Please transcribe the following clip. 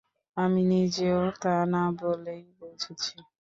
আমি নিজেও তা না বলেই বুঝেছি।